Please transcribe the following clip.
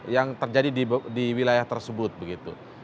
yang terjadi di wilayah tersebut begitu